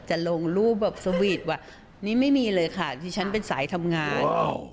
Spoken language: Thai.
จะลงรูปแบบสวีทว่านี่ไม่มีเลยค่ะที่ฉันเป็นสายทำงาน